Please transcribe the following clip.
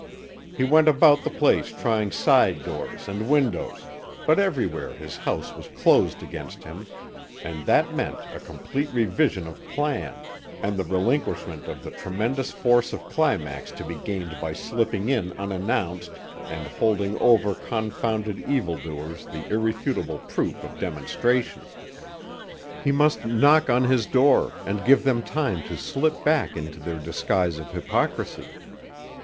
He went about the place trying side doors and windows, but everywhere his house was closed against him and that meant a complete revision of plan, and the relinquishment of the tremendous force of climax to be gained by slipping in unannounced and holding over confounded evil doers the irrefutable proof of demonstration. He must knock on his door, and give them time to slip back into their disguise of hypocrisy.